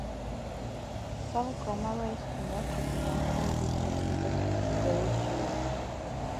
Some grammarians do not recognise all these patterns as gerund use.